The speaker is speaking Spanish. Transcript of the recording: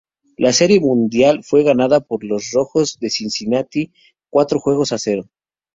La Serie Mundial fue ganada por los Rojos de Cincinnati cuatro juegos a cero.